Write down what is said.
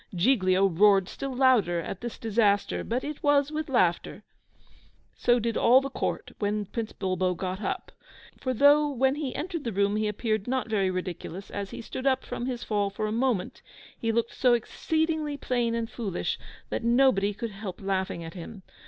Giglio roared still louder at this disaster, but it was with laughter, so did all the Court when Prince Bulbo got up; for though when he entered the room he appeared not very ridiculous, as he stood up from his fall, for a moment, he looked so exceedingly plain and foolish that nobody could help laughing at him.